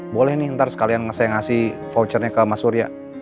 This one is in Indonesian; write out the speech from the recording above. boleh nih ntar sekalian saya ngasih vouchernya ke mas surya